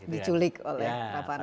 diculik oleh bapak anak